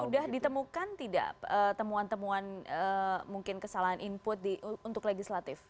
sudah ditemukan tidak temuan temuan mungkin kesalahan input untuk legislatif